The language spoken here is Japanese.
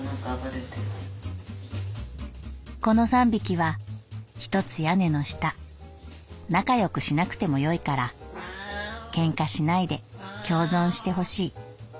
「この三匹は一つ屋根の下仲良くしなくてもよいから喧嘩しないで共存してほしい。